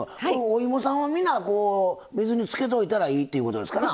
おいもさんはみんな水につけといたらいいっていうことですかな？